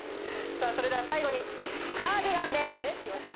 それでは最後にカーディガンです。